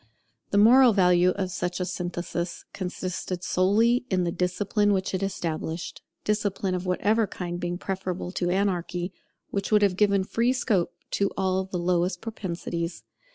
The moral value of such a synthesis consisted solely in the discipline which it established; discipline of whatever kind being preferable to anarchy, which would have given free scope to all the lowest propensities.